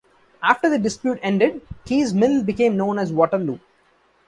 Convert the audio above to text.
After the dispute ended, Kees Mill became known as Waterloo.